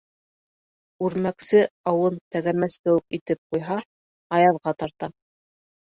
Үрмәксе ауын тәгәрмәс кеүек итеп ҡуйһа, аяҙға тарта.